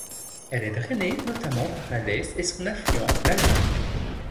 Elle est drainée notamment par la Leysse et son affluent l'Albanne.